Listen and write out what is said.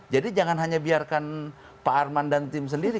jadi jangan hanya biarkan pak arman dan tim sendiri